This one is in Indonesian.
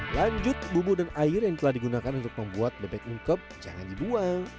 lanjut bubu dan air yang telah digunakan untuk membuat bebek ungkep jangan dibuang